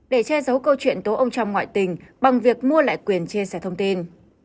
để che giấu câu chuyện tố ông trong ngoại tình bằng việc mua lại quyền chia sẻ thông tin